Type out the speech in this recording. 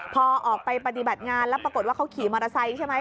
พอออกไปปฏิบัติงานแล้วปรากฏว่าเขาขี่มอเตอร์ไซค์ใช่ไหม